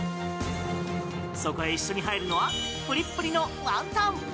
そこに一緒に入るのはプリプリのワンタン。